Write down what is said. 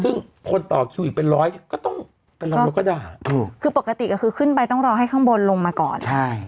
ซึ่งคนต่อคิวอีกเป็นร้อยก็ต้องเป็นลำดกด่าถูกคือปกติก็คือขึ้นไปต้องรอให้ข้างบนลงมาก่อนใช่